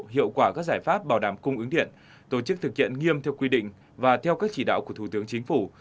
hiệu quả các giải pháp bảo đảm cung ứng điện tổ chức thực hiện nghiêm theo quy định và theo các chỉ đạo của thủ tướng chính phủ